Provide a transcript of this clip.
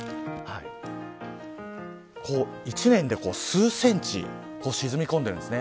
１年で数センチ沈み込んでいきます。